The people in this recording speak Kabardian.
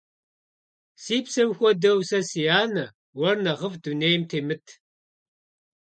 Си псэм хуэдэу сэ си анэ, уэр нэхъыфӀ дунейм темыт.